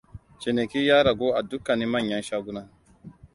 Ciniki ya ragu a dukkanin manyan shaguna.